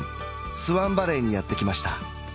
スワンバレーにやってきました